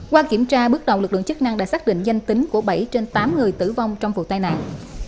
qua kiểm tra bước đầu lực lượng chức năng đã xác định danh tính của bảy trên tám người tử vong trong vụ tai nạn